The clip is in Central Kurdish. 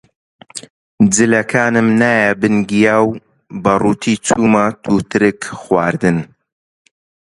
جلەکانم نایە بن گیا و بە ڕووتی چوومە تووتڕک خواردن